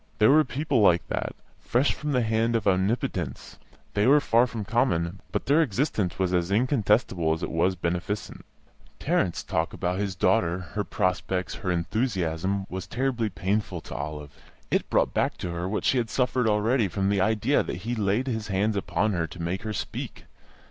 There were people like that, fresh from the hand of Omnipotence; they were far from common, but their existence was as incontestable as it was beneficent. Tarrant's talk about his daughter, her prospects, her enthusiasm, was terribly painful to Olive; it brought back to her what she had suffered already from the idea that he laid his hands upon her to make her speak.